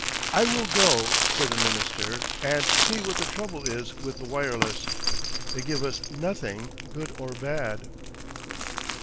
'I will go,' said the minister, 'and see what the trouble is with the wireless. They give us nothing, good or bad.